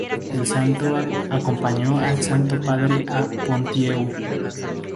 El santo acompañó al Santo Padre a Ponthieu.